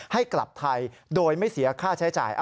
ให้กลับไทยโดยไม่เสียค่าใช้จ่าย